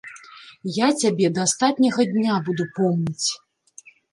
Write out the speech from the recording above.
Я цябе да астатняга дня буду помніць.